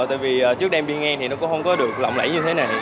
tại vì trước đêm đi ngang thì nó cũng không có được lộng lẫy như thế này